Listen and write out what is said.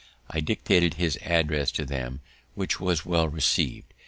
I dictated his address to them, which was well received.